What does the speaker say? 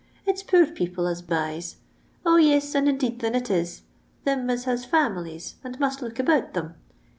It's poor people as buys: 0, yis, and indeed thin it is, thim as has famines, and must look about thim.